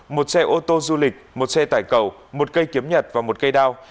một xe ô tô du lịch một xe tải cầu một cây kiếm nhật và một cây đao